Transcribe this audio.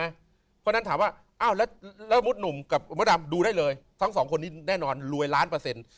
เพราะฉะนั้นถามว่าอ้าวแล้วมดหนุ่มกับมดดำดูได้เลยทั้งสองคนนี้แน่นอนรวยล้านเปอร์เซ็นต์